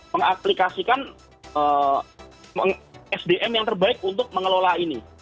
mengaplikasikan sdm yang terbaik untuk mengelola ini